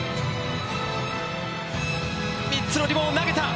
３つのリボンを投げた！